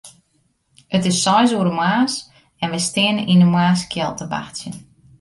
It is seis oere moarns en wy steane yn 'e moarnskjeld te wachtsjen.